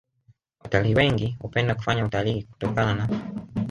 Watalii wengi hupenda kufanya utalii kutokana na